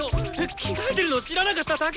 着替えてるの知らなかっただけだっての！